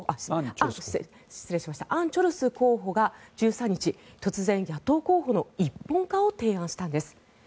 アン・チョルス候補が１３日突然、野党候補の一本化を提案したんです。